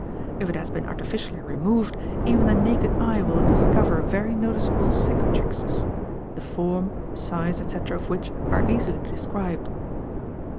If it has been artificially removed, even the naked eye will discover very noticeable cicatrices, the form, size, etc., of which are easily described.